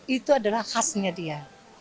itu adalah khasnya dia